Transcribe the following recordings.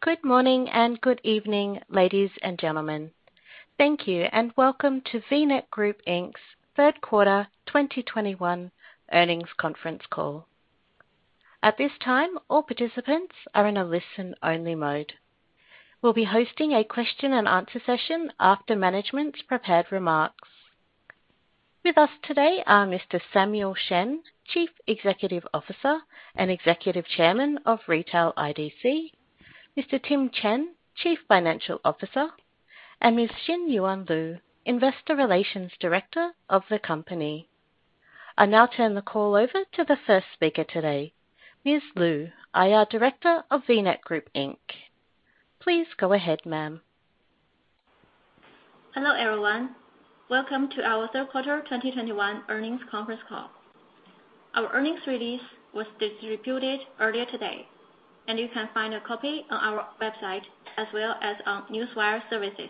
Good morning and good evening, ladies and gentlemen. Thank you and welcome to VNET Group, Inc's third quarter 2021 earnings conference call. At this time, all participants are in a listen-only mode. We'll be hosting a question-and-answer session after management's prepared remarks. With us today are Mr. Samuel Shen, Chief Executive Officer and Executive Chairman of Retail IDC, Mr. Tim Chen, Chief Financial Officer, and Ms. Xinyuan Liu, Investor Relations Director of the company. I now turn the call over to the first speaker today, Ms. Liu, IR Director of VNET Group, Inc Please go ahead, ma'am. Hello, everyone. Welcome to our third quarter 2021 earnings conference call. Our earnings release was distributed earlier today, and you can find a copy on our website as well as on Newswire services.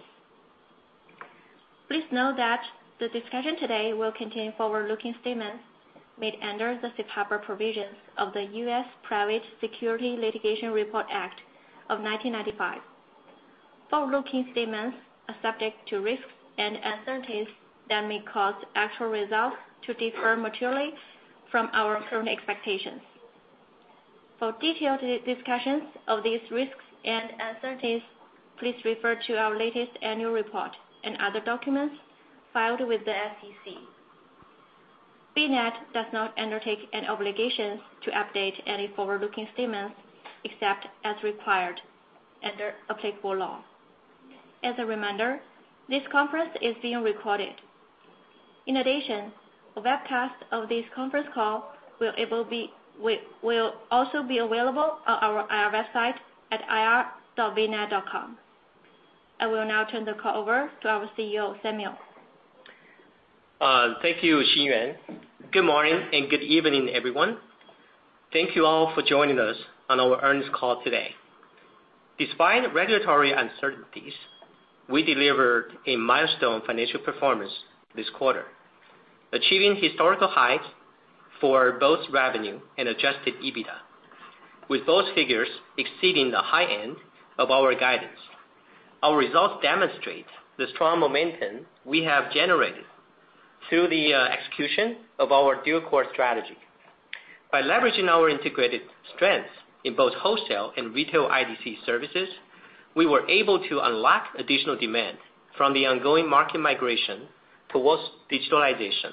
Please note that the discussion today will contain forward-looking statements made under the safe harbor provisions of the U.S. Private Securities Litigation Reform Act of 1995. Forward-looking statements are subject to risks and uncertainties that may cause actual results to differ materially from our current expectations. For detailed discussions of these risks and uncertainties, please refer to our latest annual report and other documents filed with the SEC. VNET does not undertake any obligations to update any forward-looking statements except as required under applicable law. As a reminder, this conference is being recorded. In addition, a webcast of this conference call will also be available on our IR website at ir.vnet.com. I will now turn the call over to our CEO, Samuel. Thank you, Xinyuan. Good morning and good evening, everyone. Thank you all for joining us on our earnings call today. Despite regulatory uncertainties, we delivered a milestone financial performance this quarter, achieving historical highs for both revenue and adjusted EBITDA, with both figures exceeding the high end of our guidance. Our results demonstrate the strong momentum we have generated through the execution of our dual-core strategy. By leveraging our integrated strengths in both wholesale and retail IDC services, we were able to unlock additional demand from the ongoing market migration towards digitalization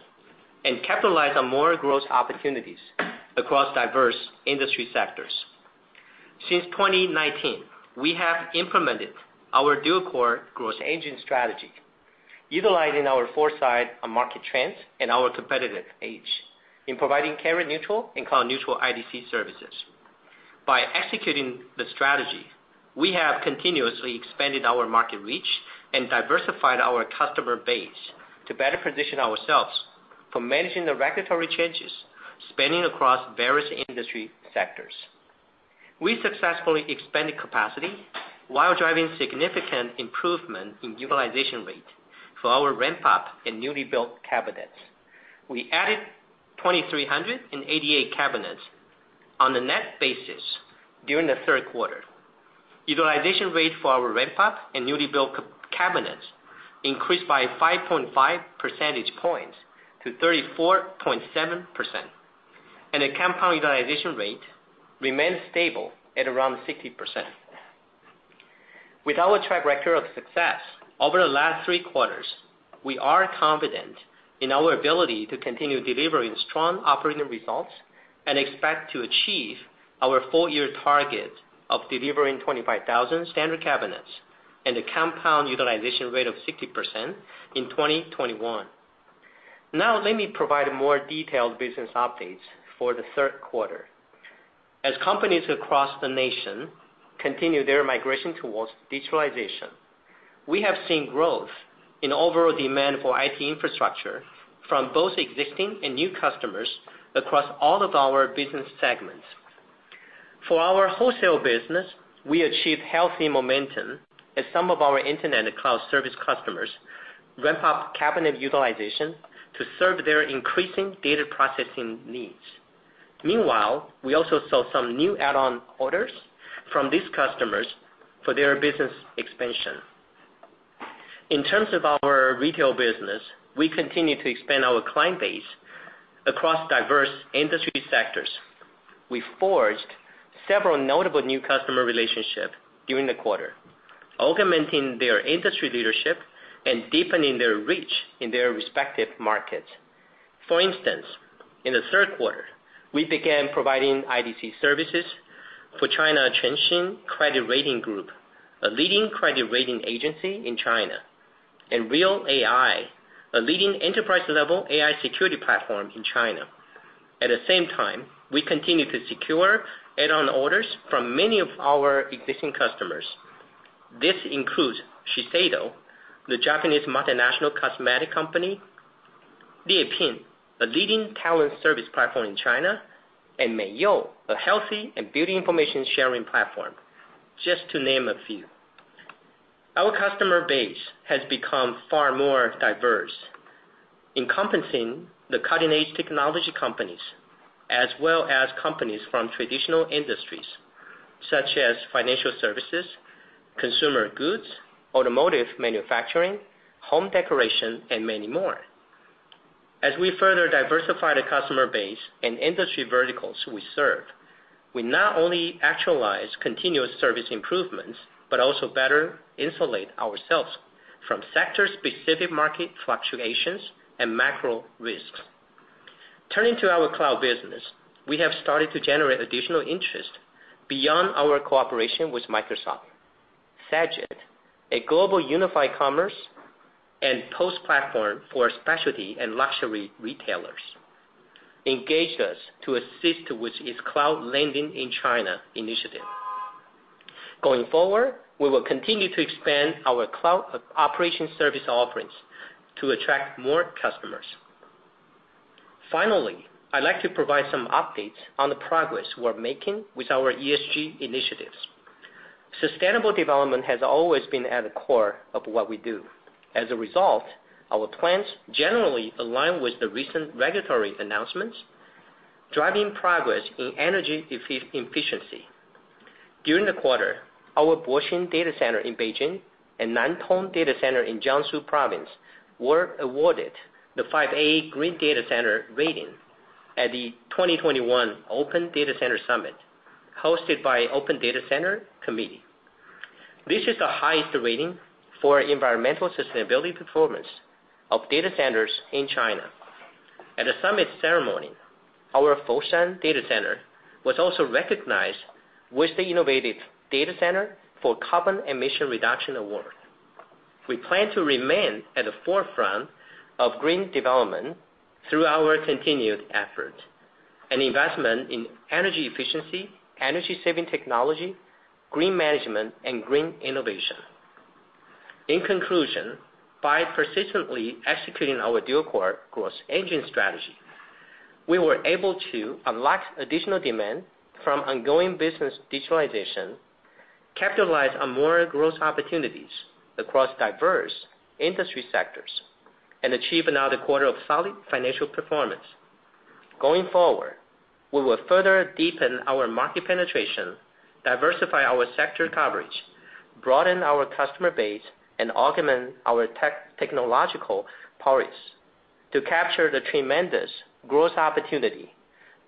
and capitalize on more growth opportunities across diverse industry sectors. Since 2019, we have implemented our dual-core growth engine strategy, utilizing our foresight on market trends and our competitive edge in providing carrier-neutral and cloud-neutral IDC services. By executing the strategy, we have continuously expanded our market reach and diversified our customer base to better position ourselves for managing the regulatory changes spanning across various industry sectors. We successfully expanded capacity while driving significant improvement in utilization rate for our ramp-up in newly built cabinets. We added 2,388 cabinets on a net basis during the third quarter. Utilization rate for our ramp-up and newly built cabinets increased by 5.5 percentage points to 34.7%, and the compound utilization rate remained stable at around 60%. With our track record of success over the last three quarters, we are confident in our ability to continue delivering strong operating results and expect to achieve our full year target of delivering 25,000 standard cabinets and a compound utilization rate of 60% in 2021. Now let me provide more detailed business updates for the third quarter. As companies across the nation continue their migration towards digitalization, we have seen growth in overall demand for IT infrastructure from both existing and new customers across all of our business segments. For our wholesale business, we achieved healthy momentum as some of our internet and cloud service customers ramp up cabinet utilization to serve their increasing data processing needs. Meanwhile, we also saw some new add-on orders from these customers for their business expansion. In terms of our retail business, we continue to expand our client base across diverse industry sectors. We forged several notable new customer relationships during the quarter, augmenting their industry leadership and deepening their reach in their respective markets. For instance, in the third quarter, we began providing IDC services for China Chengxin Credit Rating Group, a leading credit rating agency in China, and RealAI, a leading enterprise-level AI security platform in China. At the same time, we continue to secure add-on orders from many of our existing customers. This includes Shiseido, the Japanese multinational cosmetic company, Liepin, a leading talent service platform in China, and Meiyou, a healthy and beauty information sharing platform, just to name a few. Our customer base has become far more diverse, encompassing the cutting-edge technology companies as well as companies from traditional industries such as financial services, consumer goods, automotive manufacturing, home decoration, and many more. As we further diversify the customer base and industry verticals we serve, we not only actualize continuous service improvements, but also better insulate ourselves from sector-specific market fluctuations and macro risks. Turning to our cloud business, we have started to generate additional interest beyond our cooperation with Microsoft. Cegid, a global unified commerce and POS platform for specialty and luxury retailers, engaged us to assist with its cloud landing in China initiative. Going forward, we will continue to expand our cloud operation service offerings to attract more customers. Finally, I'd like to provide some updates on the progress we're making with our ESG initiatives. Sustainable development has always been at the core of what we do. As a result, our plans generally align with the recent regulatory announcements driving progress in energy efficiency. During the quarter, our Boxing data center in Beijing and Nantong data center in Jiangsu Province were awarded the 5A Green Data Center rating at the 2021 Open Data Center Summit hosted by Open Data Center Committee. This is the highest rating for environmental sustainability performance of data centers in China. At the summit ceremony, our Foshan Data Center was also recognized with the Innovative Data Center for Carbon Emission Reduction Award. We plan to remain at the forefront of green development through our continued effort and investment in energy efficiency, energy-saving technology, green management, and green innovation. In conclusion, by persistently executing our dual-core growth engine strategy, we were able to unlock additional demand from ongoing business digitalization, capitalize on more growth opportunities across diverse industry sectors, and achieve another quarter of solid financial performance. Going forward, we will further deepen our market penetration, diversify our sector coverage, broaden our customer base, and augment our technological prowess to capture the tremendous growth opportunity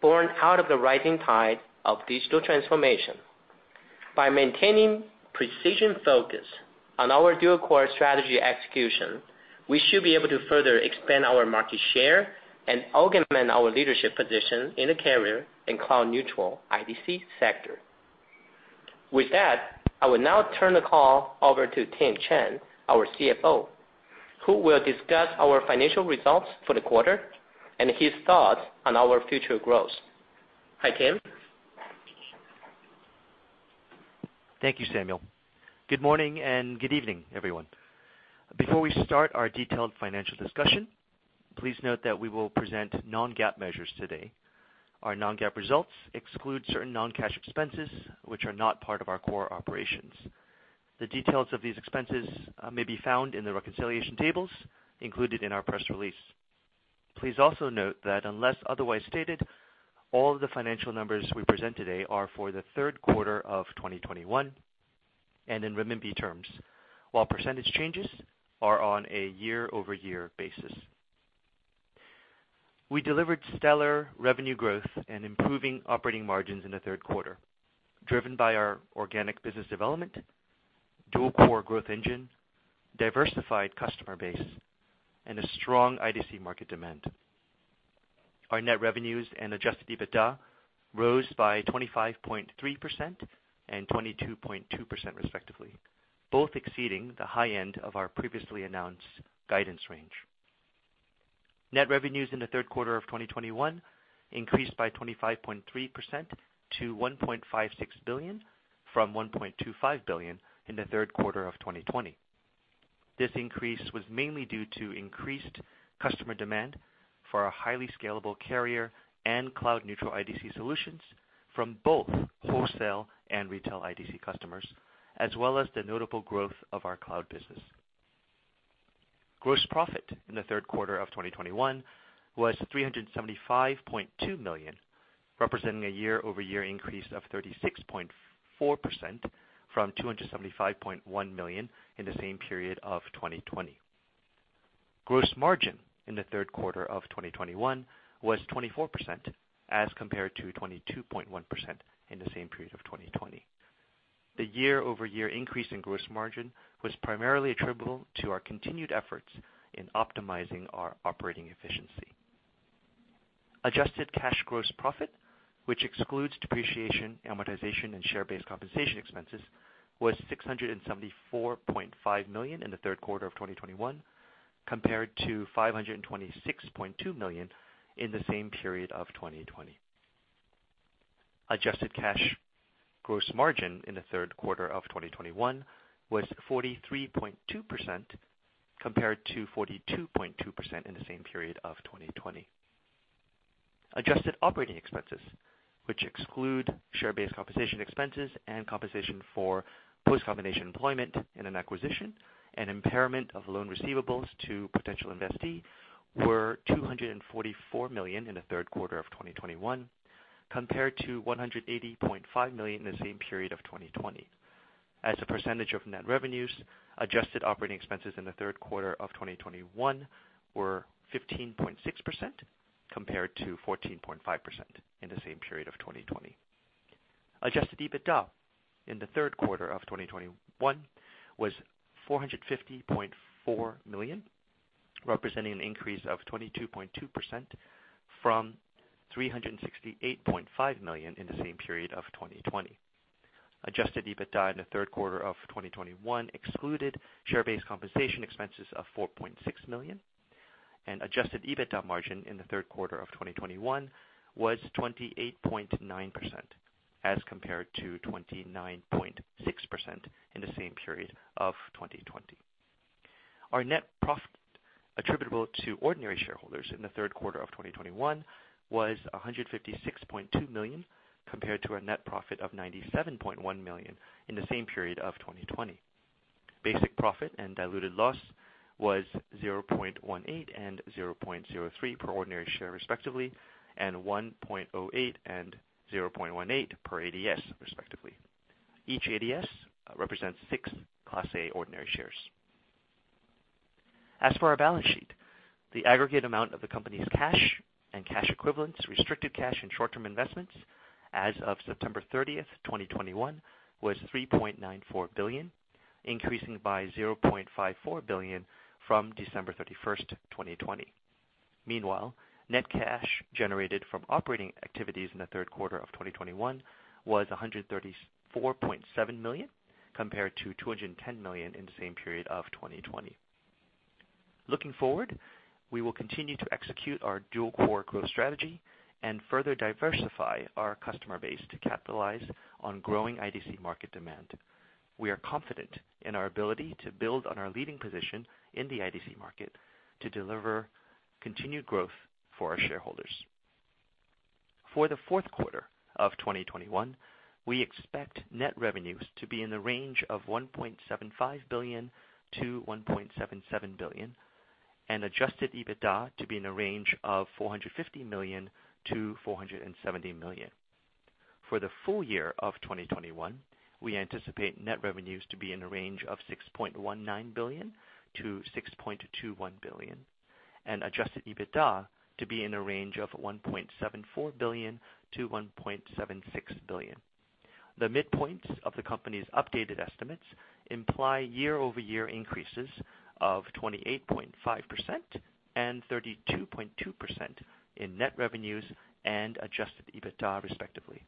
born out of the rising tide of digital transformation. By maintaining precise focus on our dual-core strategy execution, we should be able to further expand our market share and augment our leadership position in the carrier-neutral and cloud-neutral IDC sector. With that, I will now turn the call over to Tim Chen, our CFO, who will discuss our financial results for the quarter and his thoughts on our future growth. Hi, Tim. Thank you, Samuel. Good morning and good evening, everyone. Before we start our detailed financial discussion, please note that we will present non-GAAP measures today. Our non-GAAP results exclude certain non-cash expenses which are not part of our core operations. The details of these expenses may be found in the reconciliation tables included in our press release. Please also note that unless otherwise stated, all the financial numbers we present today are for the third quarter of 2021 and in renminbi terms, while percentage changes are on a year-over-year basis. We delivered stellar revenue growth and improving operating margins in the third quarter, driven by our organic business development, dual-core growth engine, diversified customer base, and a strong IDC market demand. Our net revenues and adjusted EBITDA rose by 25.3% and 22.2% respectively, both exceeding the high end of our previously announced guidance range. Net revenues in the third quarter of 2021 increased by 25.3% to 1.56 billion, from 1.25 billion in the third quarter of 2020. This increase was mainly due to increased customer demand for our highly scalable carrier-neutral and cloud-neutral IDC solutions from both wholesale and retail IDC customers, as well as the notable growth of our cloud business. Gross profit in the third quarter of 2021 was 375.2 million, representing a year-over-year increase of 36.4% from 275.1 million in the same period of 2020. Gross margin in the third quarter of 2021 was 24% as compared to 22.1% in the same period of 2020. The year-over-year increase in gross margin was primarily attributable to our continued efforts in optimizing our operating efficiency. Adjusted cash gross profit, which excludes depreciation, amortization, and share-based compensation expenses, was 674.5 million in the third quarter of 2021, compared to 526.2 million in the same period of 2020. Adjusted cash gross margin in the third quarter of 2021 was 43.2%, compared to 42.2% in the same period of 2020. Adjusted operating expenses, which exclude share-based compensation expenses and compensation for post-combination employment in an acquisition and impairment of loan receivables to potential investee, were 244 million in the third quarter of 2021 compared to 180.5 million in the same period of 2020. As a percentage of net revenues, adjusted operating expenses in the third quarter of 2021 were 15.6% compared to 14.5% in the same period of 2020. Adjusted EBITDA in the third quarter of 2021 was 450.4 million, representing an increase of 22.2% from 368.5 million in the same period of 2020. Adjusted EBITDA in the third quarter of 2021 excluded share-based compensation expenses of 4.6 million. Adjusted EBITDA margin in the third quarter of 2021 was 28.9% as compared to 29.6% in the same period of 2020. Our net profit attributable to ordinary shareholders in the third quarter of 2021 was 156.2 million compared to our net profit of 97.1 million in the same period of 2020. Basic profit and diluted loss was 0.18 and 0.03 per ordinary share respectively, and 1.08 and 0.18 per ADS respectively. Each ADS represents six Class A ordinary shares. As for our balance sheet, the aggregate amount of the company's cash and cash equivalents, restricted cash and short-term investments as of September 30th, 2021 was 3.94 billion, increasing by 0.54 billion from December 31st, 2020. Meanwhile, net cash generated from operating activities in the third quarter of 2021 was 134.7 million compared to 210 million in the same period of 2020. Looking forward, we will continue to execute our dual-core strategy and further diversify our customer base to capitalize on growing IDC market demand. We are confident in our ability to build on our leading position in the IDC market to deliver continued growth for our shareholders. For the fourth quarter of 2021, we expect net revenues to be in the range of 1.75 billion-1.77 billion, and adjusted EBITDA to be in a range of 450 million-470 million. For the full year of 2021, we anticipate net revenues to be in a range of 6.19 billion-6.21 billion, and adjusted EBITDA to be in a range of 1.74 billion-1.76 billion. The midpoints of the company's updated estimates imply year-over-year increases of 28.5% and 32.2% in net revenues and adjusted EBITDA respectively.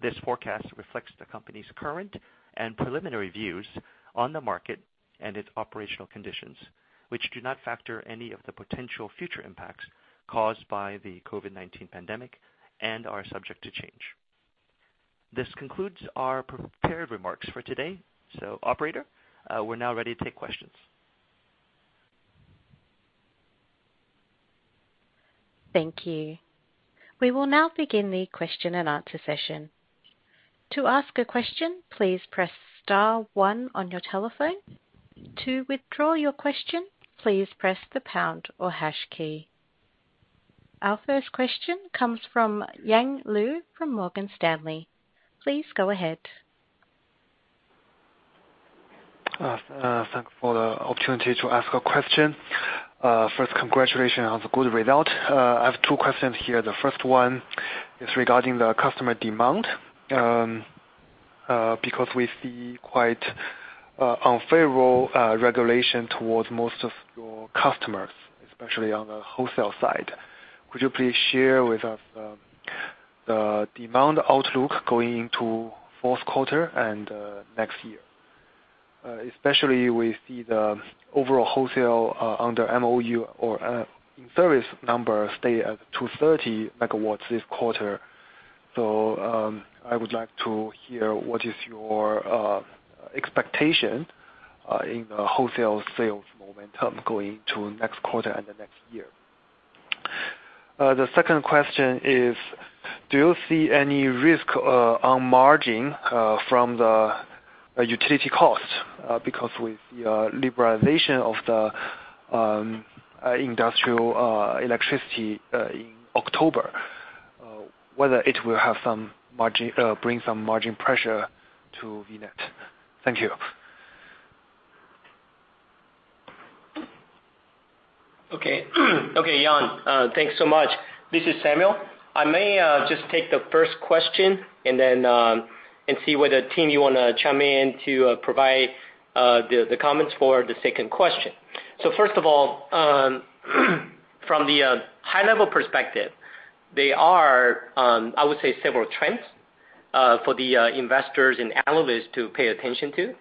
This forecast reflects the company's current and preliminary views on the market and its operational conditions, which do not factor any of the potential future impacts caused by the COVID-19 pandemic and are subject to change. This concludes our prepared remarks for today. Operator, we're now ready to take questions. Thank you. We will now begin the question-and-answer session. To ask a question, please press star one on your telephone. To withdraw your question, please press the pound or hash key. Our first question comes from Yang Liu from Morgan Stanley. Please go ahead. Thank you for the opportunity to ask a question. First, congratulations on the good result. I have two questions here. The first one is regarding the customer demand because we see quite unfavorable regulation towards most of your customers, especially on the wholesale side. Could you please share with us the demand outlook going into fourth quarter and next year? Especially, we see the overall wholesale under MoU or in service numbers stay at 230 MW this quarter. I would like to hear what is your expectation in the wholesale sales momentum going into next quarter and the next year. The second question is, do you see any risk on margin from the utility cost because with the liberalization of the industrial electricity in October, whether it will bring some margin pressure to VNET? Thank you. Okay. Okay, Yang, thanks so much. This is Samuel. I may just take the first question and then see whether Tim you wanna chime in to provide the comments for the second question. First of all, from the high level perspective, there are I would say several trends for the investors and analysts to pay attention to.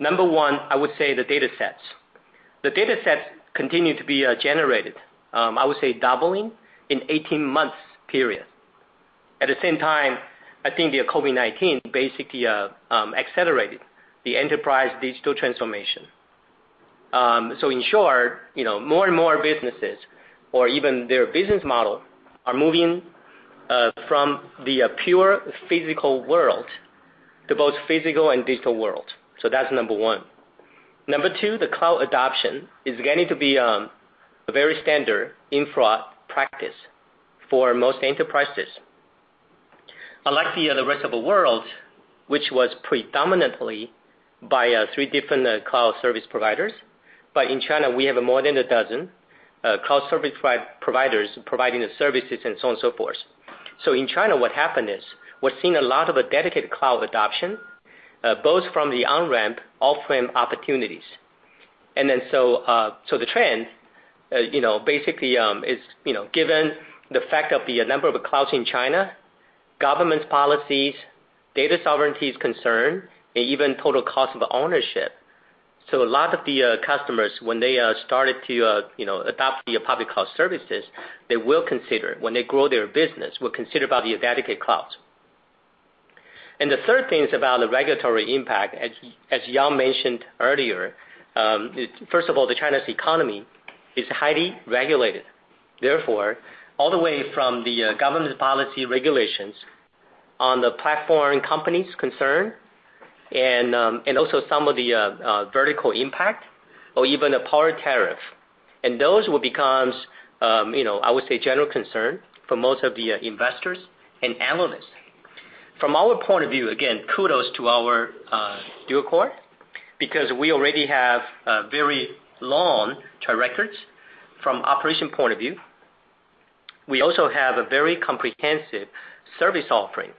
Number one, I would say the datasets. The datasets continue to be generated. I would say doubling in 18 months period. At the same time, I think the COVID-19 basically accelerated the enterprise digital transformation. In short, you know, more and more businesses or even their business model are moving from the pure physical world to both physical and digital world. That's number one. Number two, the cloud adoption is getting to be a very standard infra practice for most enterprises. Unlike the rest of the world, which was predominantly by three different cloud service providers, but in China, we have more than a dozen cloud service providers providing the services and so on and so forth. In China, what happened is we're seeing a lot of a dedicated cloud adoption both from the on-ramp, off-ramp opportunities. The trend you know basically is you know given the fact of the number of clouds in China, government policies, data sovereignty is concerned, and even total cost of ownership. A lot of the customers when they started to you know adopt the public cloud services, they will consider when they grow their business, will consider about the dedicated clouds. The third thing is about the regulatory impact, as Yang mentioned earlier. First of all, China's economy is highly regulated, therefore, all the way from the government policy regulations on the platform companies concern and also some of the vertical impact or even the power tariff. Those will becomes, you know, I would say, general concern for most of the investors and analysts. From our point of view, again, kudos to our dual-core because we already have a very long track records from operation point of view. We also have a very comprehensive service offering,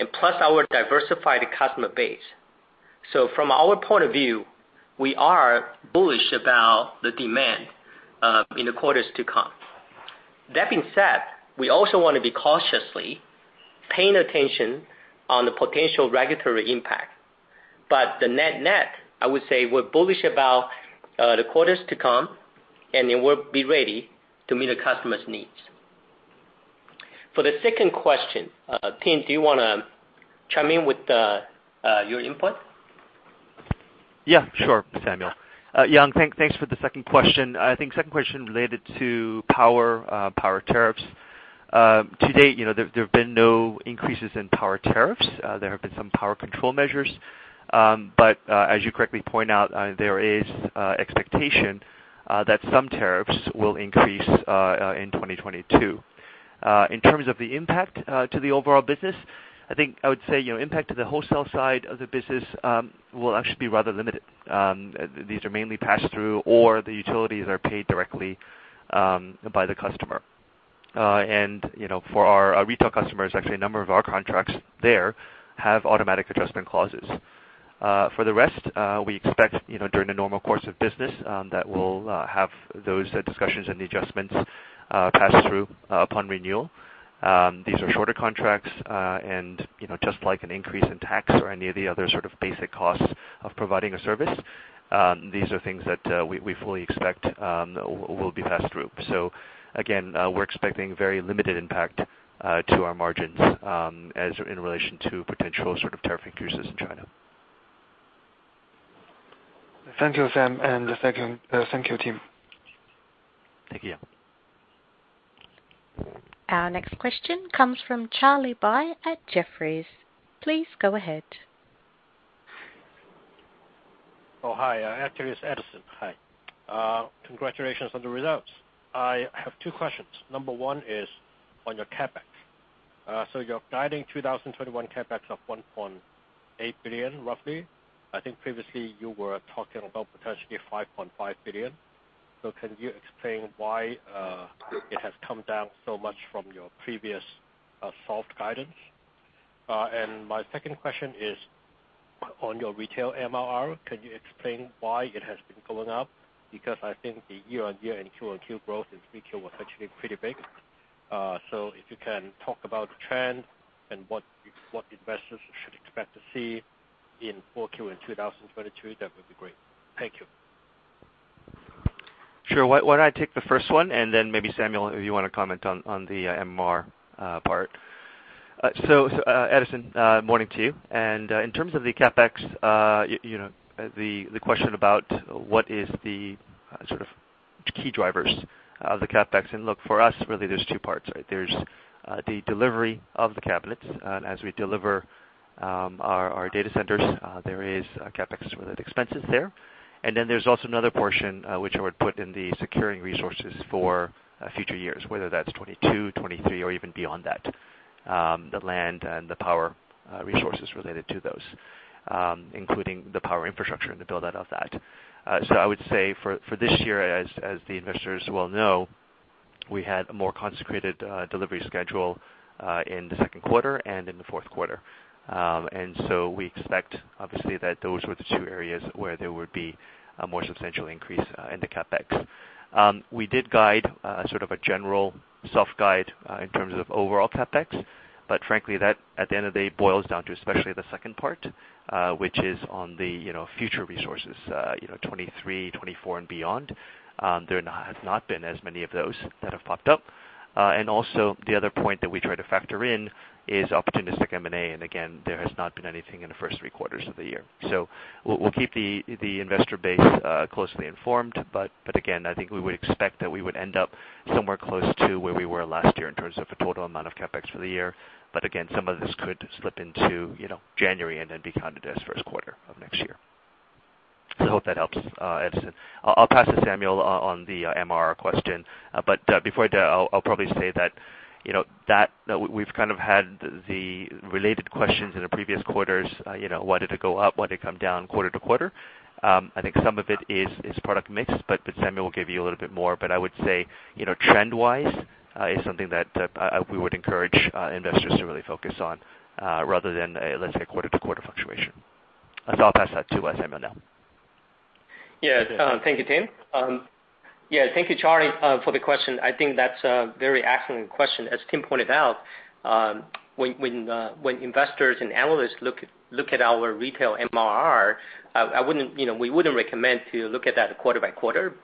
and plus our diversified customer base. From our point of view, we are bullish about the demand in the quarters to come. That being said, we also wanna be cautiously paying attention on the potential regulatory impact. The net-net, I would say we're bullish about the quarters to come, and then we'll be ready to meet the customers' needs. For the second question, Tim, do you wanna chime in with your input? Yeah, sure, Samuel. Yang, thanks for the second question. I think the second question related to power tariffs. To date, you know, there have been no increases in power tariffs. There have been some power control measures. As you correctly point out, there is expectation that some tariffs will increase in 2022. In terms of the impact to the overall business, I think I would say, you know, impact to the wholesale side of the business will actually be rather limited. These are mainly pass through or the utilities are paid directly by the customer. You know, for our retail customers, actually a number of our contracts there have automatic adjustment clauses. For the rest, we expect, you know, during the normal course of business, that we'll have those discussions and the adjustments pass through upon renewal. These are shorter contracts, and, you know, just like an increase in tax or any of the other sort of basic costs of providing a service, these are things that we fully expect will be passed through. Again, we're expecting very limited impact to our margins as in relation to potential sort of tariff increases in China. Thank you, Sam, and thank you, Tim. Thank you. Our next question comes from Charlie Bai at Jefferies. Please go ahead. Oh, hi. Actually, it's Edison. Hi. Congratulations on the results. I have two questions. Number one is on your CapEx. You're guiding 2021 CapEx of 1.8 billion, roughly. I think previously you were talking about potentially 5.5 billion. Can you explain why it has come down so much from your previous soft guidance? My second question is on your retail MRR. Can you explain why it has been going up? Because I think the year-on-year and Q-on-Q growth in 3Q was actually pretty big. If you can talk about the trend and what investors should expect to see in 4Q in 2022, that would be great. Thank you. Sure. Why don't I take the first one and then maybe Samuel, if you wanna comment on the MRR part. So, Edison, morning to you. In terms of the CapEx, you know, the question about what is the sort of key drivers of the CapEx. Look for us, really there's two parts, right? There's the delivery of the cabinets as we deliver our data centers, there is a CapEx related expenses there. Then there's also another portion, which I would put in the securing resources for future years, whether that's 2022, 2023 or even beyond that, the land and the power resources related to those, including the power infrastructure and the build out of that. I would say for this year, as the investors well know, we had a more concentrated delivery schedule in the second quarter and in the fourth quarter. We expect obviously that those were the two areas where there would be a more substantial increase in the CapEx. We did guide sort of a general soft guide in terms of overall CapEx. Frankly, that at the end of the day boils down to especially the second part, which is on the, you know, future resources, you know, 2023, 2024 and beyond. There has not been as many of those that have popped up. Also, the other point that we try to factor in is opportunistic M&A. Again, there has not been anything in the first three quarters of the year. We'll keep the investor base closely informed. Again, I think we would expect that we would end up somewhere close to where we were last year in terms of the total amount of CapEx for the year. Again, some of this could slip into you know January and then be counted as first quarter of next year. I hope that helps, Edison. I'll pass to Samuel on the MRR question. Before I do, I'll probably say that you know that we've kind of had the related questions in the previous quarters you know why did it go up? Why did it come down quarter to quarter? I think some of it is product mix, but Samuel will give you a little bit more. I would say, you know, trend-wise is something that we would encourage investors to really focus on, rather than a, let's say, quarter-to-quarter fluctuation. I'll pass that to Samuel now. Yes, thank you, Tim. Yeah, thank you, Charlie, for the question. I think that's a very excellent question. As Tim pointed out, when investors and analysts look at our retail MRR, I wouldn't, you know, we wouldn't recommend to look at that quarter-by-quarter.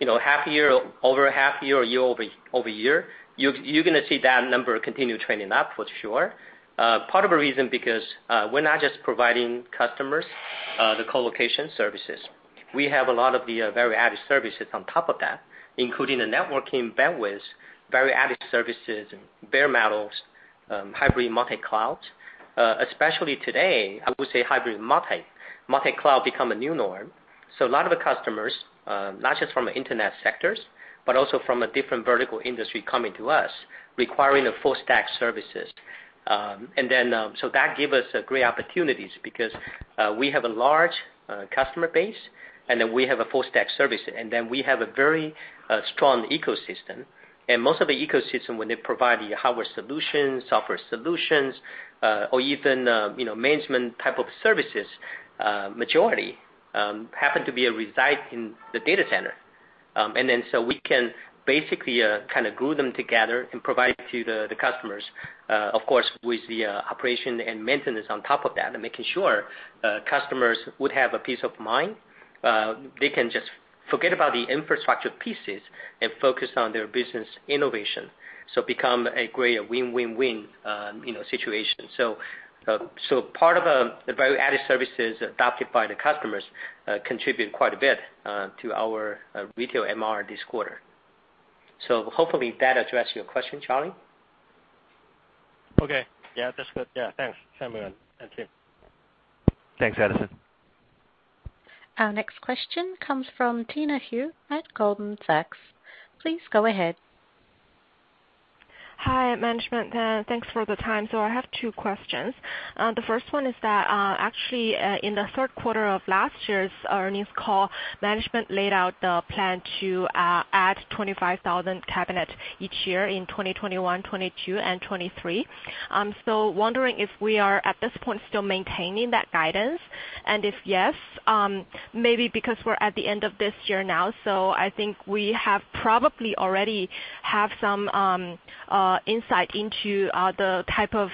You know, half-year over half-year or year-over-year, you're gonna see that number continue trending up for sure. Part of the reason because we're not just providing customers the colocation services. We have a lot of the value-added services on top of that, including the networking bandwidth, value-added services, bare metal, hybrid multi-clouds. Especially today, I would say hybrid multi-cloud become a new norm. A lot of the customers, not just from internet sectors, but also from a different vertical industry coming to us requiring a full stack services. That give us great opportunities because we have a large customer base, and we have a full stack service. We have a very strong ecosystem. Most of the ecosystem when they provide the hardware solutions, software solutions, or even, you know, management type of services, majority happen to be reside in the data center. We can basically kind of glue them together and provide to the customers, of course, with the operation and maintenance on top of that, and making sure customers would have a peace of mind. They can just forget about the infrastructure pieces and focus on their business innovation. Become a great win-win-win, you know, situation. Part of the value-added services adopted by the customers contribute quite a bit to our retail MRR this quarter. Hopefully that addressed your question, Charlie. Okay. Yeah, that's good. Yeah, thanks, Samuel and Tim. Thanks, Edison. Our next question comes from Tina Hou at Goldman Sachs. Please go ahead. Hi, management, thanks for the time. I have two questions. The first one is that, actually, in the third quarter of last year's earnings call, management laid out the plan to add 25,000 cabinets each year in 2021, 2022 and 2023. I'm still wondering if we are at this point still maintaining that guidance. If yes, maybe because we're at the end of this year now, I think we probably already have some insight into the type of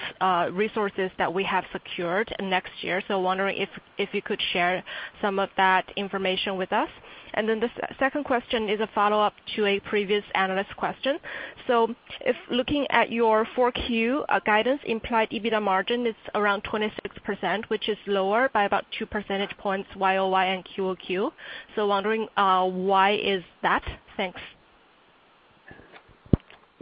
resources that we have secured next year. Wondering if you could share some of that information with us. The second question is a follow-up to a previous analyst question. If looking at your 4Q guidance implied EBITDA margin is around 26%, which is lower by about 2 percentage points YoY and QoQ. Wondering why is that?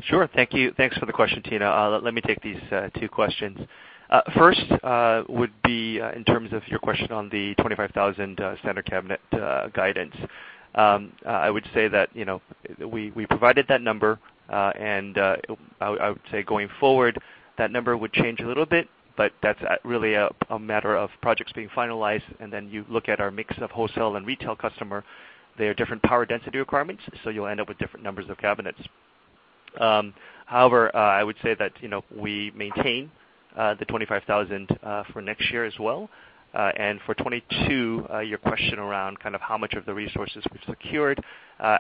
Thanks. Sure. Thank you. Thanks for the question, Tina. Let me take these two questions. First would be in terms of your question on the 25,000 standard cabinet guidance. I would say that, you know, we provided that number, and I would say going forward, that number would change a little bit, but that's really a matter of projects being finalized. Then you look at our mix of wholesale and retail customer, there are different power density requirements, so you'll end up with different numbers of cabinets. However, I would say that, you know, we maintain the 25,000 for next year as well. For 2022, your question around kind of how much of the resources we've secured,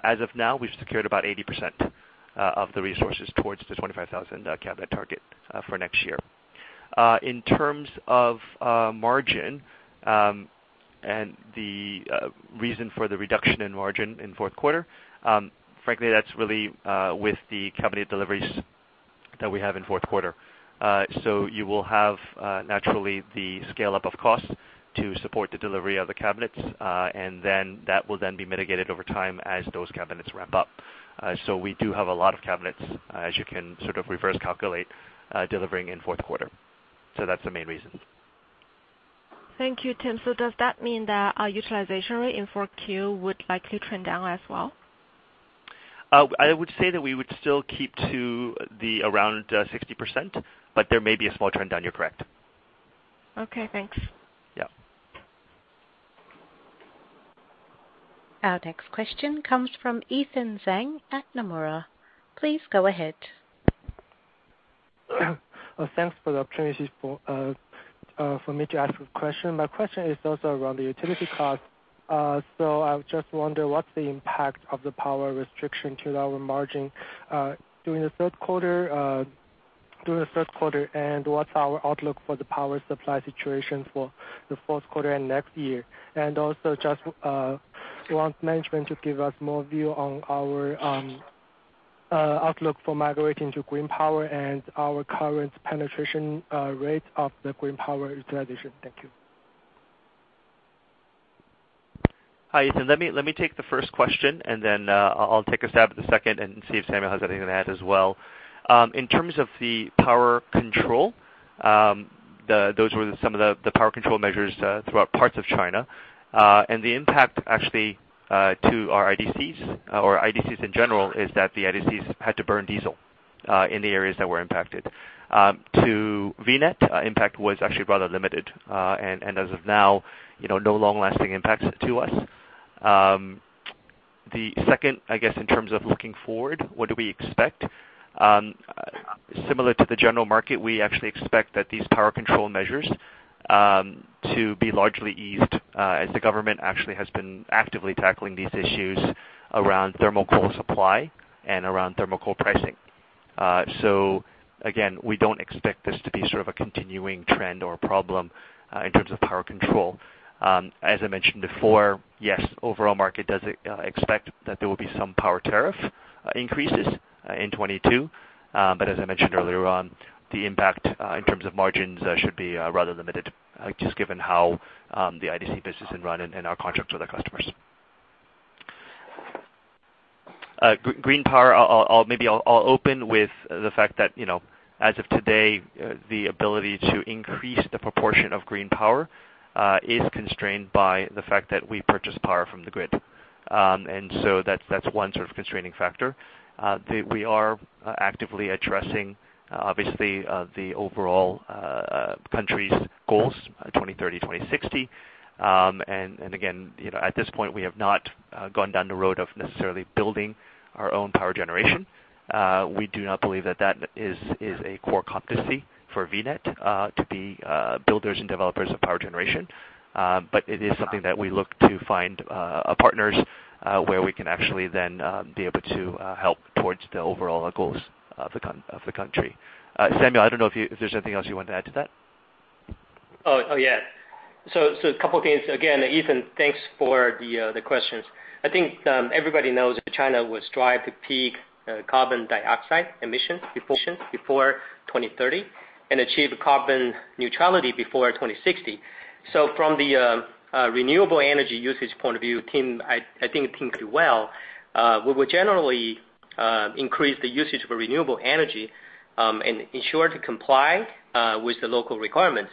as of now, we've secured about 80% of the resources towards the 25,000 cabinet target for next year. In terms of margin, and the reason for the reduction in margin in fourth quarter, frankly, that's really with the cabinet deliveries that we have in fourth quarter. You will have naturally the scale-up of costs to support the delivery of the cabinets, and then that will then be mitigated over time as those cabinets ramp up. We do have a lot of cabinets, as you can sort of reverse calculate, delivering in fourth quarter. That's the main reason. Thank you, Tim. Does that mean that our utilization rate in 4Q would likely trend down as well? I would say that we would still keep to the around 60%, but there may be a small trend down. You're correct. Okay, thanks. Yeah. Our next question comes from Ethan Zhang at Nomura. Please go ahead. Thanks for the opportunity for. My question is also around the utility cost. So, I was just wondering what's the impact of the power restriction to our margin during the third quarter, and what's our outlook for the power supply situation for the fourth quarter and next year? And also, I just want management to give us more view on our outlook for migrating to green power and our current penetration rate of the green power utilization. Thank you. Hi, Ethan. Let me take the first question, and then I'll take a stab at the second and see if Samuel has anything to add as well. In terms of the power control, those were some of the power control measures throughout parts of China. And the impact actually to our IDCs or IDCs in general is that the IDCs had to burn diesel in the areas that were impacted. To VNET, impact was actually rather limited. And as of now, you know, no long-lasting impacts to us. The second, I guess, in terms of looking forward, what do we expect? Similar to the general market, we actually expect that these power control measures to be largely eased, as the government actually has been actively tackling these issues around thermal coal supply and around thermal coal pricing. Again, we don't expect this to be sort of a continuing trend or a problem in terms of power control. As I mentioned before, yes, overall market does expect that there will be some power tariff increases in 2022. As I mentioned earlier on, the impact in terms of margins should be rather limited, just given how the IDC business is run and our contracts with our customers. Green power, I'll open with the fact that, you know, as of today, the ability to increase the proportion of green power is constrained by the fact that we purchase power from the grid. That's one sort of constraining factor. We are actively addressing obviously the overall country's goals, 2030, 2060. Again, you know, at this point, we have not gone down the road of necessarily building our own power generation. We do not believe that is a core competency for VNET to be builders and developers of power generation. It is something that we look to find partners where we can actually then be able to help towards the overall goals of the country. Samuel, I don't know if there's anything else you want to add to that. A couple things. Again, Ethan, thanks for the questions. I think everybody knows that China will strive to peak carbon dioxide emission before 2030 and achieve carbon neutrality before 2060. From the renewable energy usage point of view, I think we're pretty well. We will generally increase the usage of renewable energy and ensure to comply with the local requirements.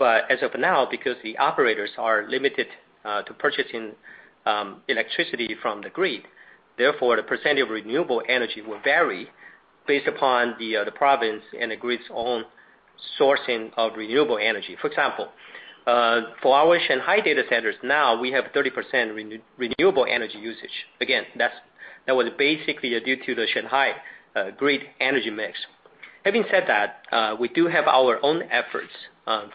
As of now, because the operators are limited to purchasing electricity from the grid, therefore the percentage of renewable energy will vary based upon the province and the grid's own sourcing of renewable energy. For example, for our Shanghai data centers now, we have 30% renewable energy usage. Again, that's basically due to the Shanghai grid energy mix. Having said that, we do have our own efforts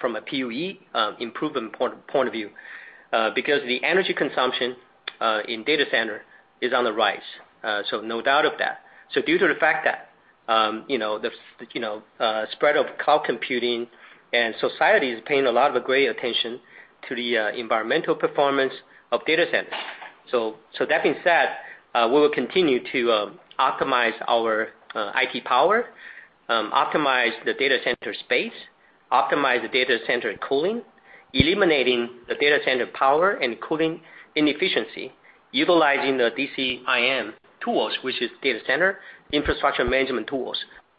from a PUE improvement point of view. Because the energy consumption in data center is on the rise. So, no doubt of that. So, due to the fact that, you know, the spread of cloud computing and society is paying a lot of great attention to the environmental performance of data centers. So that being said, we will continue to optimize our IT power, optimize the data center space, optimize the data center cooling, eliminating the data center power and cooling inefficiency, utilizing the DCIM tools, which is data center infrastructure management tools,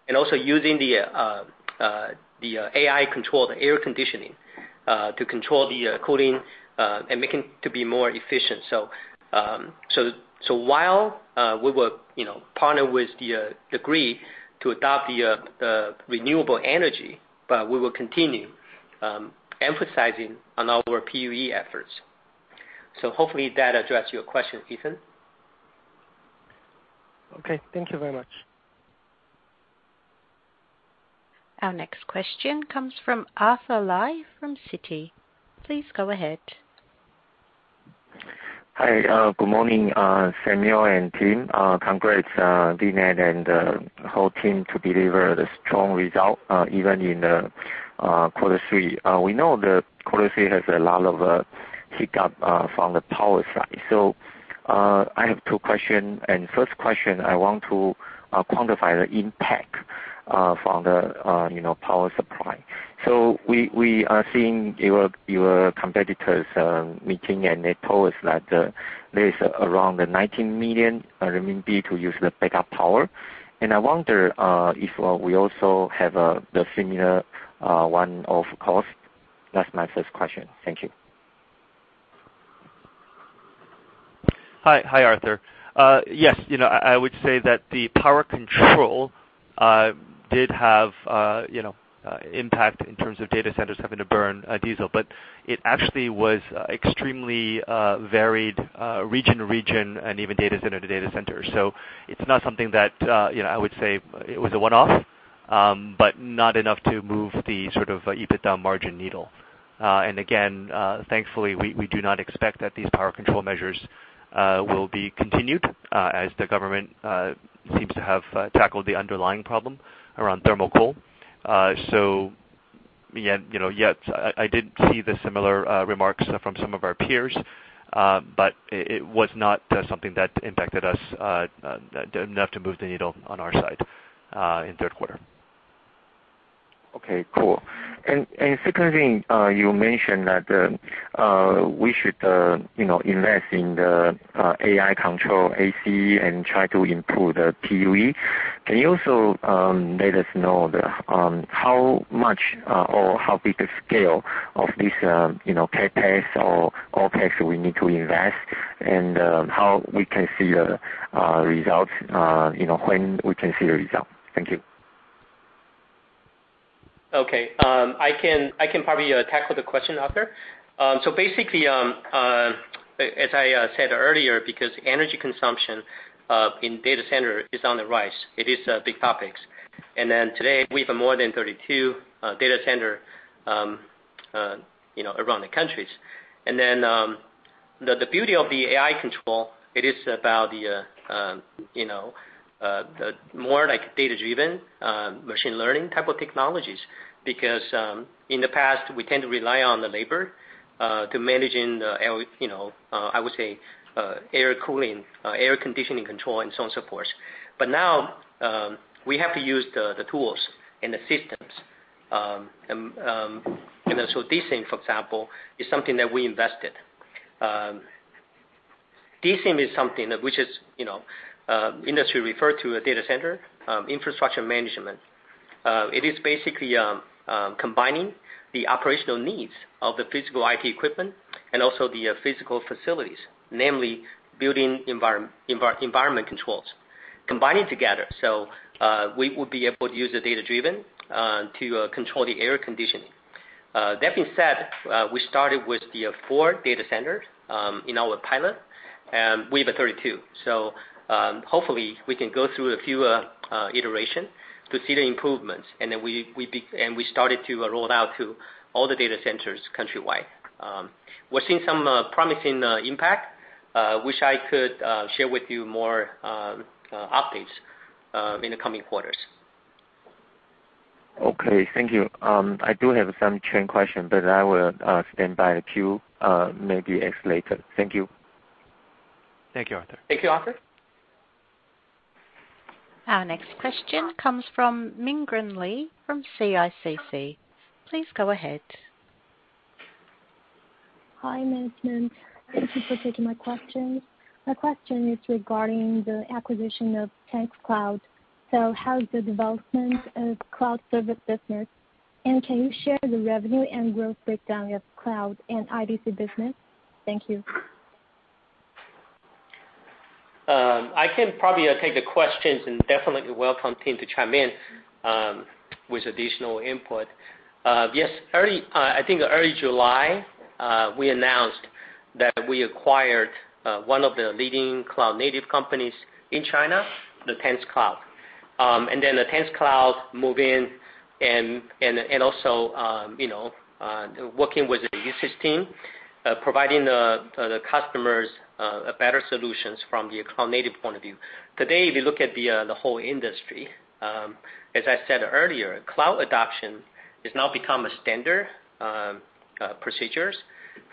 and also using the AI control the air conditioning to control the cooling and making to be more efficient. While we will, you know, partner with the grid to adopt the renewable energy, but we will continue emphasizing on our PUE efforts. Hopefully that addressed your question, Ethan. Okay, thank you very much. Our next question comes from Arthur Lai from Citi. Please go ahead. Hi. Good morning, Samuel and Tim. Congrats, VNET and whole team to deliver the strong result, even in the quarter three. We know that quarter three has a lot of hiccup from the power side. I have two question. First question I want to quantify the impact from the you know, power supply. We are seeing your competitors meeting, and they told us that there is around 19 million RMB to use the backup power. I wonder if we also have the similar one-off cost. That's my first question. Thank you. Hi. Hi, Arthur. Yes. You know, I would say that the power control did have, you know, impact in terms of data centers having to burn diesel, but it actually was extremely varied region to region and even data center to data center. It's not something that, you know, I would say it was a one-off. But not enough to move the sort of EBITDA margin needle. Again, thankfully, we do not expect that these power control measures will be continued as the government seems to have tackled the underlying problem around thermal coal. So yeah, you know, yes, I did see the similar remarks from some of our peers. It was not something that impacted us enough to move the needle on our side in third quarter. Okay, cool. Second thing, you mentioned that we should you know, invest in the AI control AC and try to improve the PUE. Can you also let us know the how much or how big the scale of this you know, CapEx or OpEx we need to invest and how we can see our results you know, when we can see the results? Thank you. I can probably tackle the question, Arthur. Basically, as I said earlier, because energy consumption in data center is on the rise, it is a big topic. Today, we have more than 32 data centers around the country. The beauty of the AI control is about the more like data-driven machine learning type of technologies. In the past, we tend to rely on the labor to managing the, I would say, air-cooling, air-conditioning control and so on and so forth. Now, we have to use the tools and the systems. DCIM, for example, is something that we invested. DCIM is something which is, you know, industry refer to a data center infrastructure management. It is basically combining the operational needs of the physical IT equipment and also the physical facilities, namely building environment controls, combining together. We would be able to use the data-driven to control the air conditioning. That being said, we started with the four data centers in our pilot, and we have 32. Hopefully we can go through a few iterations to see the improvements. We started to roll out to all the data centers countrywide. We're seeing some promising impact, which I could share with you more updates in the coming quarters. Okay. Thank you. I do have some chain question, but I will stand by the queue, maybe ask later. Thank you. Thank you, Arthur. Thank you, Arthur. Our next question comes from Mingran Li from CICC. Please go ahead. Hi, management. Thank you for taking my question. My question is regarding the acquisition of TenxCloud. How is the development of cloud service business? And can you share the revenue and growth breakdown of cloud and IDC business? Thank you. I can probably take the questions and definitely welcome Tim to chime in, with additional input. Yes, early, I think early July, we announced that we acquired one of the leading cloud-native companies in China, the TenxCloud. Then the TenxCloud move in and also, you know, working with the usage team, providing the customers a better solutions from the cloud-native point of view. Today, if you look at the whole industry, as I said earlier, cloud adoption has now become a standard procedures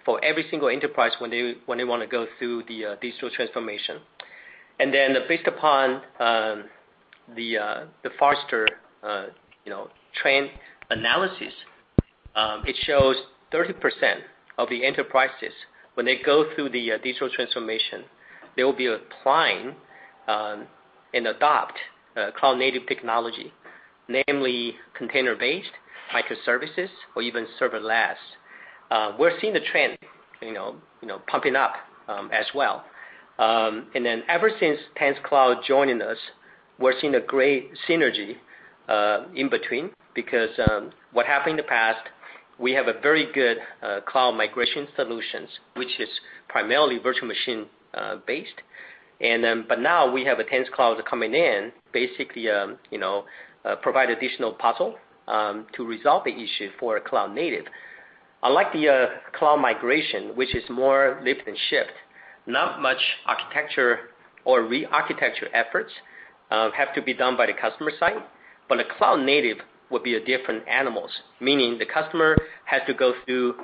for every single enterprise when they wanna go through the digital transformation. Based upon the Forrester trend analysis, it shows 30% of the enterprises, when they go through the digital transformation, they will be applying and adopt cloud native technology, namely Container based, Microservices or even Serverless. We're seeing the trend, you know, pumping up as well. Ever since TenxCloud joining us, we're seeing a great synergy in between, because what happened in the past, we have a very good cloud migration solutions, which is primarily virtual machine based. Now we have a TenxCloud coming in, basically, you know, provide additional puzzle to resolve the issue for cloud native. Unlike the cloud migration, which is more lift and shift, not much architecture or re-architecture efforts have to be done by the customer side. A cloud native would be a different animal, meaning the customer has to go through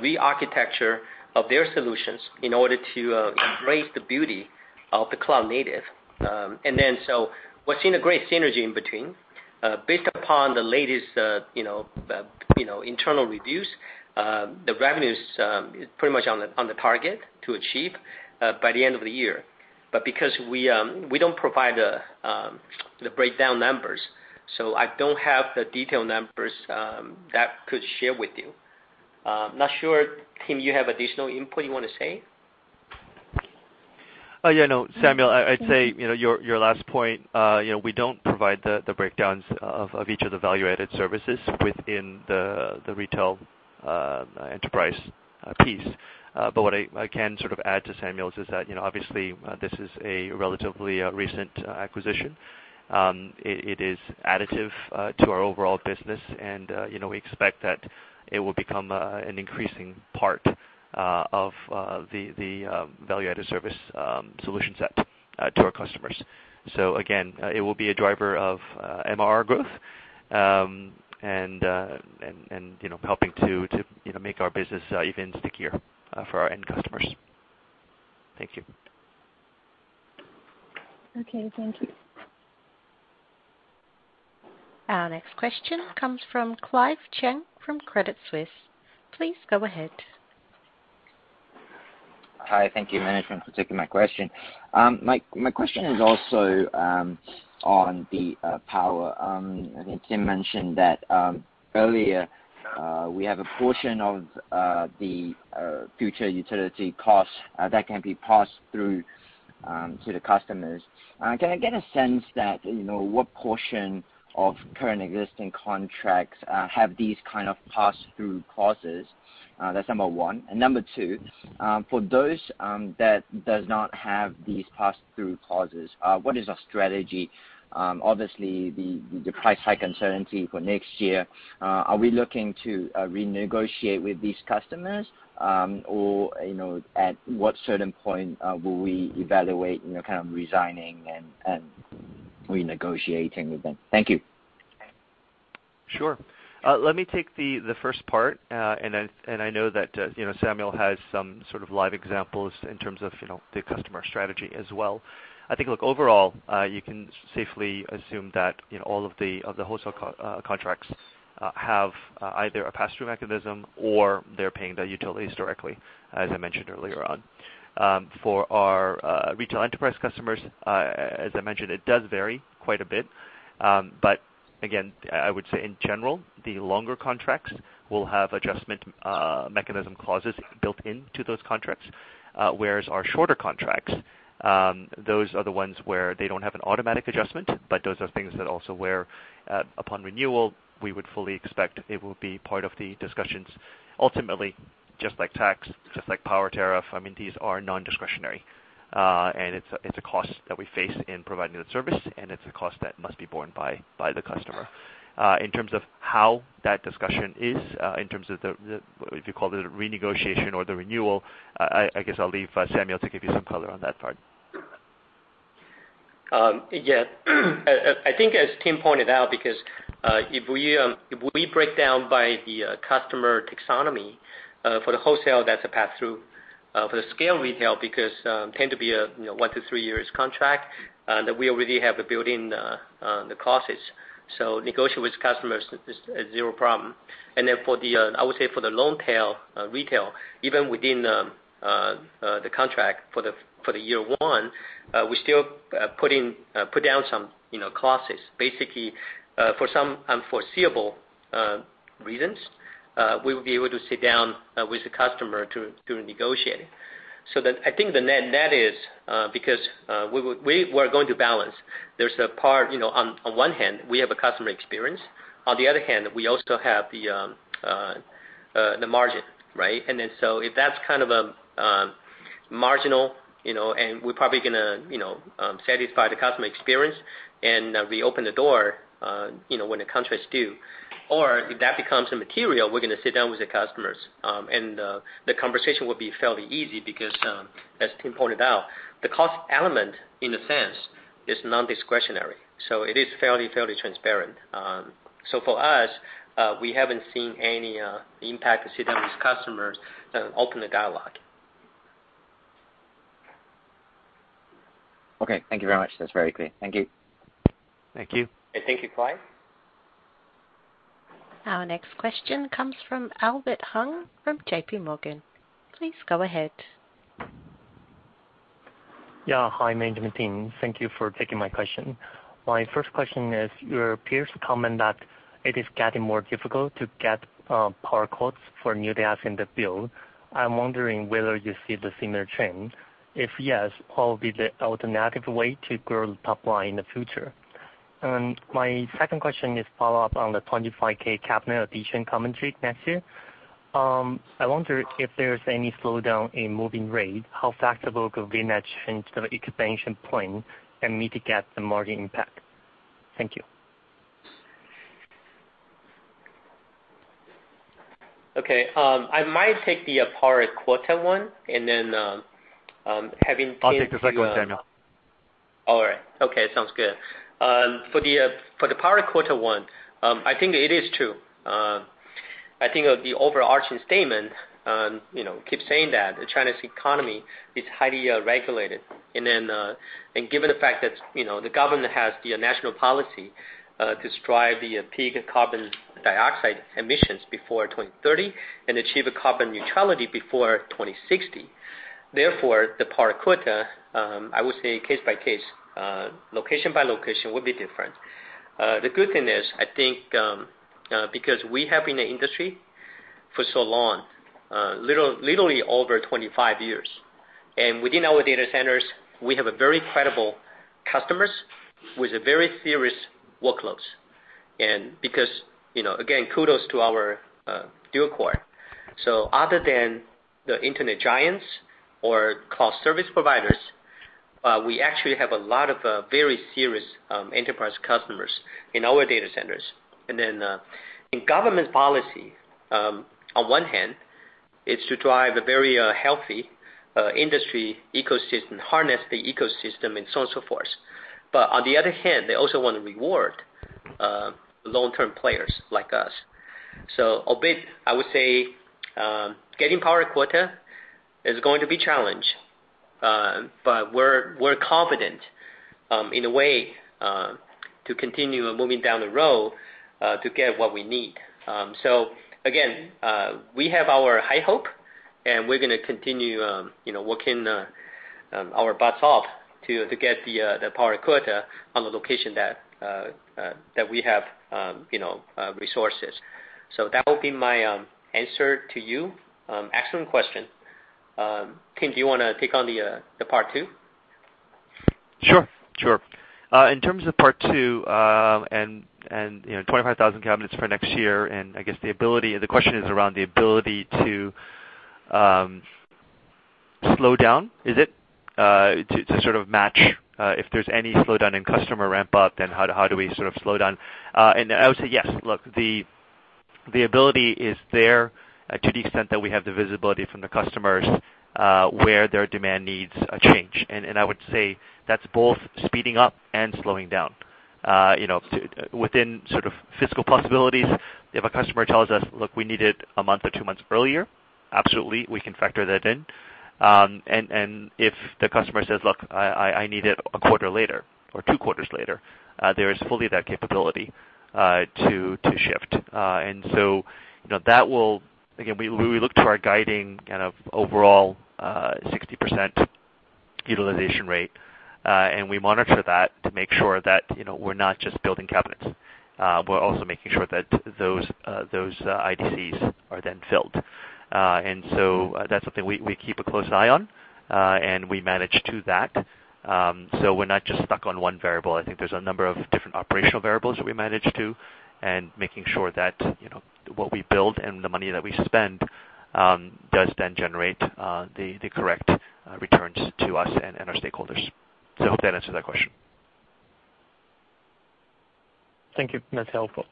re-architecture of their solutions in order to embrace the beauty of the cloud native. We're seeing a great synergy in between. Based upon the latest you know internal reviews, the revenues is pretty much on the target to achieve by the end of the year. Because we don't provide the breakdown numbers, so I don't have the detailed numbers that I could share with you. Not sure, Tim, you have additional input you wanna say? Yeah, no, Samuel, I'd say, you know, your last point, you know, we don't provide the breakdowns of each of the value-added services within the retail enterprise piece. But what I can sort of add to Samuel's is that, you know, obviously, this is a relatively recent acquisition. It is additive to our overall business, and you know, we expect that it will become an increasing part of the value-added service solution set to our customers. Again, it will be a driver of MRR growth and helping to make our business even stickier for our end customers. Thank you. Okay, thank you. Our next question comes from Clive Cheung from Credit Suisse. Please go ahead. Hi. Thank you, management, for taking my question. My question is also on the power. I think Tim mentioned that earlier we have a portion of the future utility costs that can be passed through to the customers. Can I get a sense that you know what portion of current existing contracts have these kinds of pass-through clauses? That's number one. Number two, for those that does not have these pass-through clauses, what is our strategy? Obviously, the price hike uncertainty for next year are we looking to renegotiate with these customers? Or you know at what certain point will we evaluate you know kind of re-signing and renegotiating with them? Thank you. Sure. Let me take the first part. I know that, you know, Samuel has some sort of live examples in terms of, you know, the customer strategy as well. I think, look, overall, you can safely assume that, you know, all of the wholesale contracts have either a pass-through mechanism or they're paying their utilities directly, as I mentioned earlier on. For our retail enterprise customers, as I mentioned, it does vary quite a bit. Again, I would say in general, the longer contracts will have adjustment mechanism clauses built into those contracts. Whereas our shorter contracts, those are the ones where they don't have an automatic adjustment, but those are things that, upon renewal, we would fully expect it will be part of the discussions ultimately just like tax, just like power tariff. I mean, these are non-discretionary. It's a cost that we face in providing that service, and it's a cost that must be borne by the customer. In terms of how that discussion is, in terms of the if you call it a renegotiation or the renewal, I guess I'll leave Samuel to give you some color on that part. I think as Tim pointed out, because if we break down by the customer taxonomy for the wholesale, that's a pass-through. For the scale retail because tend to be a, you know, one to three years contract that we already have the built-in clauses. Negotiate with customers is zero problem. For the I would say for the long tail retail, even within the contract for the year one, we still put down some, you know, clauses. Basically, for some unforeseeable reasons we would be able to sit down with the customer to negotiate. I think the net net is because we would we were going to balance. There's a part, you know, on one hand we have a customer experience, on the other hand we also have the margin, right? If that's kind of marginal, you know, and we're probably gonna, you know, satisfy the customer experience and we open the door, you know, when the contract's due, or if that becomes a material, we're gonna sit down with the customers. And the conversation will be fairly easy because, as Tim pointed out, the cost element in a sense is non-discretionary. It is fairly transparent. For us, we haven't seen any impact to sit down with customers to open the dialogue. Okay. Thank you very much. That's very clear. Thank you. Thank you. Thank you, Clive. Our next question comes from Albert Hung from J.P. Morgan. Please go ahead. Yeah. Hi, management team. Thank you for taking my question. My first question is, your peers comment that it is getting more difficult to get power quotas for new data centers in the field. I'm wondering whether you see the similar trend. If yes, what will be the alternative way to grow top line in the future? My second question is follow-up on the 25,000 cabinet addition commentary next year. I wonder if there's any slowdown in move-in rate, how flexible could we match into the expansion plan and mitigate the margin impact? Thank you. Okay. I might take the power quota one, and then, having. I'll take the second one, Samuel. All right. Okay. Sounds good. For the power quota one, I think it is true. I think the overarching statement, you know, keep saying that China's economy is highly regulated. Given the fact that, you know, the government has the national policy to strive to peak carbon dioxide emissions before 2030 and achieve carbon neutrality before 2060. Therefore, the power quota, I would say case by case, location by location would be different. The good thing is, I think, because we have been in the industry for so long, literally over 25 years, and within our data centers we have a very credible customers with a very serious workloads. Because, you know, again, kudos to our dual core. Other than the internet giants or cloud service providers, we actually have a lot of very serious enterprise customers in our data centers. In government policy, on one hand is to drive a very healthy industry ecosystem, harness the ecosystem, and so on and so forth. On the other hand, they also want to reward long-term players like us. A bit I would say, getting power quota is going to be challenge. We're confident in a way to continue moving down the road to get what we need. Again, we have our high hopes, and we're gonna continue, you know, working our butts off to get the power quota on the location that we have, you know, resources. That would be my answer to you. Excellent question. Tim, do you wanna take on the part two? Sure. In terms of part two, and you know, 25,000 cabinets for next year, and I guess the ability, the question is around the ability to slow down, is it? To sort of match if there's any slowdown in customer ramp up, then how do we sort of slow down? I would say, yes. Look, the ability is there, to the extent that we have the visibility from the customers, where their demand needs a change. I would say that's both speeding up and slowing down. You know, to within sort of physical possibilities, if a customer tells us, "Look, we need it a month or two months earlier," absolutely, we can factor that in. If the customer says, "Look, I need it a quarter later or two quarters later," there is full capability to shift. You know, that will. Again, we look to our guiding kind of overall 60% utilization rate, and we monitor that to make sure that, you know, we're not just building cabinets. We're also making sure that those IDCs are then filled. That's something we keep a close eye on, and we manage to that. We're not just stuck on one variable. I think there's a number of different operational variables that we manage to, and making sure that, you know, what we build and the money that we spend does then generate the correct returns to us and our stakeholders. Hope that answers that question. Thank you. That's helpful.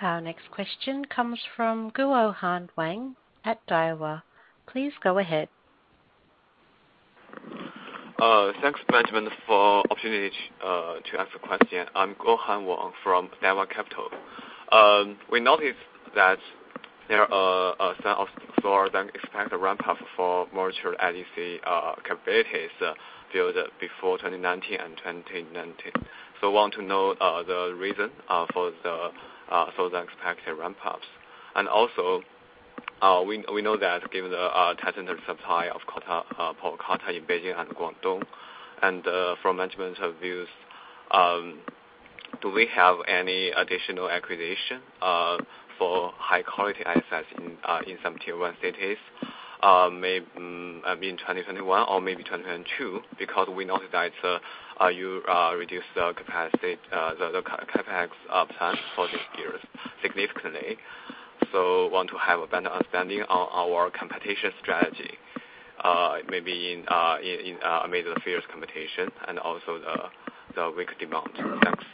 Our next question comes from Guohan Wang at Daiwa. Please go ahead. Thanks, management, for the opportunity to ask a question. I'm Guohan Wang from Daiwa Capital. We noticed that there are some for the expanded ramp up for mature IDC capabilities built before 2019 and 2019. Want to know the reason for the expanded ramp ups. Also, we know that given the tighter supply of power quota in Beijing and Guangdong, and from management's views, do we have any additional acquisition for high quality assets in some tier one cities in 2021 or maybe 2022? Because we know that you reduced the capacity, the CapEx plans for this year significantly. I want to have a better understanding on our competition strategy, maybe amid the fierce competition and also the weak demand. Thanks.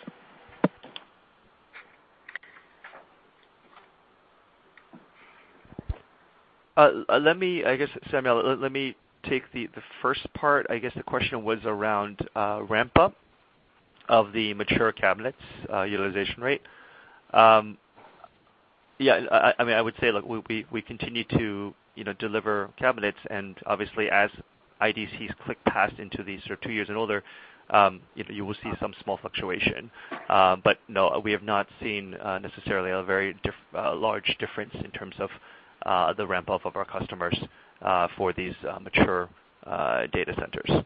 I guess, Samuel, let me take the first part. I guess the question was around ramp up of the mature cabinets utilization rate. Yeah, I mean, I would say, look, we continue to, you know, deliver cabinets, and obviously as IDCs click past into these sorts of two years and older, you will see some small fluctuation. But no, we have not seen necessarily a very large difference in terms of the ramp up of our customers for these mature data centers.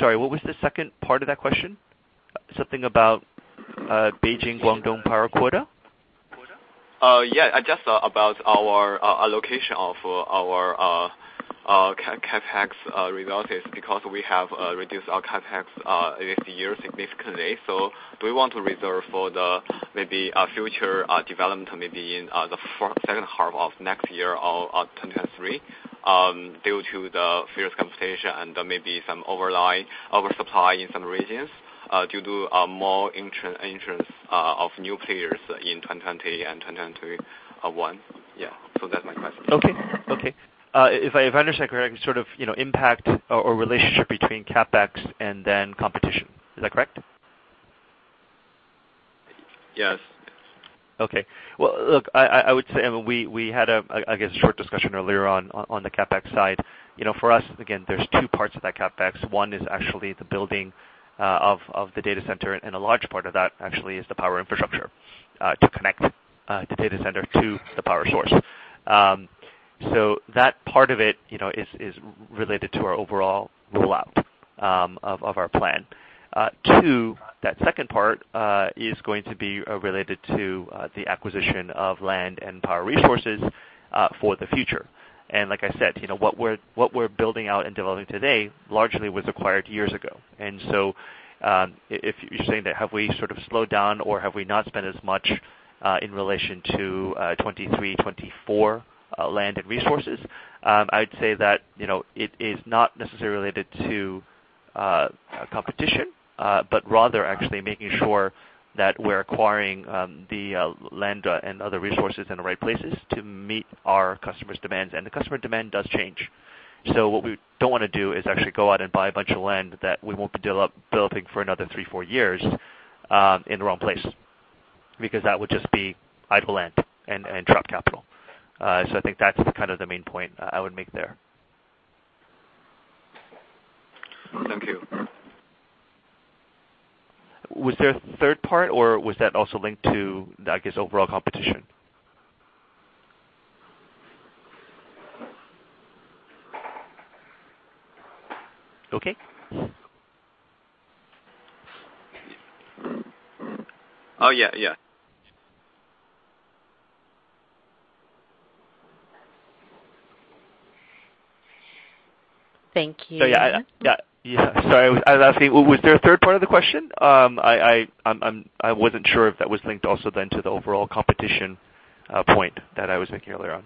Sorry, what was the second part of that question? Something about Beijing, Guangdong power quota? Yeah, just about our allocation of our CapEx resources, because we have reduced our CapEx this year significantly. Do we want to reserve for the maybe future development maybe in the second half of next year or 2023 due to the fierce competition and maybe some oversupply in some regions due to more entrance of new players in 2020 and 2021? Yeah, that's my question. Okay. If I understand correct, sort of, you know, impact or relationship between CapEx and then competition. Is that correct? Yes. Okay. Well, look, I would say we had a, I guess, short discussion earlier on the CapEx side. You know, for us, again, there's two parts of that CapEx. One is actually the building of the data center, and a large part of that actually is the power infrastructure to connect the data center to the power source. So that part of it, you know, is related to our overall roll out of our plan. Two, that second part is going to be related to the acquisition of land and power resources for the future. Like I said, you know, what we're building out and developing today largely was acquired years ago. If you're saying that have we sort of slowed down or have we not spent as much in relation to 2023, 2024 land and resources, I'd say that, you know, it is not necessarily related to competition, but rather actually making sure that we're acquiring the land and other resources in the right places to meet our customers' demands. The customer demand does change. What we don't wanna do is actually go out and buy a bunch of land that we won't be building for another three to four years in the wrong place, because that would just be idle land and trapped capital. I think that's kind of the main point I would make there. Thank you. Was there a third part, or was that also linked to, I guess, overall competition? Okay. Oh, yeah. Thank you. Yeah. Sorry, I was asking was there a third part of the question? I wasn't sure if that was linked also then to the overall competition point that I was making earlier on.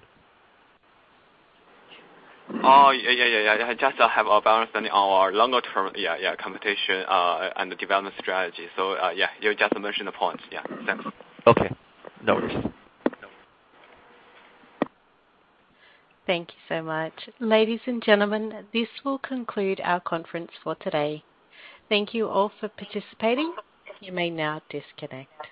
Oh, yeah. I just have a better understanding on our longer-term competition and the development strategy. You just mentioned the points. Yeah. Thanks. Okay. No worries. Thank you so much. Ladies and gentlemen, this will conclude our conference for today. Thank you all for participating. You may now disconnect.